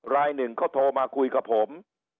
รายหนึ่งเขาโทรมาคุยกับผม